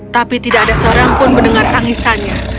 tapi tidak ada seorang pun mendengar tangisannya